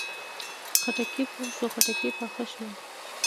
خټکی پوخ شو، خټکي پاخه شول